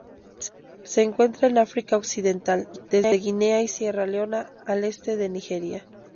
Se encuentra en África occidental, desde Guinea y Sierra Leona al este de Nigeria.